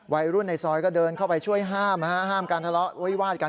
วัยรุ่นในซอยก็เดินเข้าไปช่วยห้ามห้ามการทะเลาะวิวาดกัน